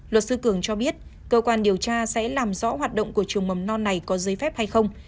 luật sư cường cho biết cơ quan điều tra sẽ làm rõ hoạt động của trường mầm non này có giấy phép hay không